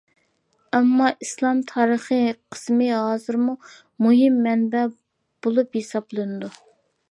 ئەمما ئىسلام تارىخى قىسمى ھازىرمۇ مۇھىم مەنبە بولۇپ ھېسابلىنىدۇ.